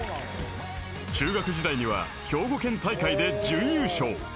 中学時代には兵庫県大会で準優勝。